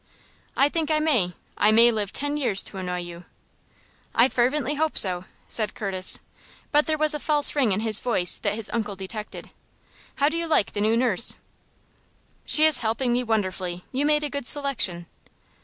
"I think I may. I may live ten years to annoy you." "I fervently hope so," said Curtis, but there was a false ring in his voice that his uncle detected. "How do you like the new nurse?" "She is helping me wonderfully. You made a good selection."